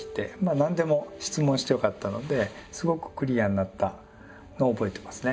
何でも質問してよかったのですごくクリアになったのを覚えてますね。